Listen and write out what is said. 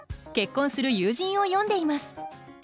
結婚する友人を詠んでいます。